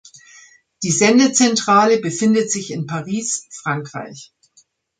Die Sendezentrale befindet sich in Paris, Frankreich.